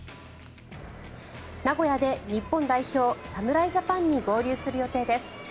名古屋で日本代表、侍ジャパンに合流する予定です。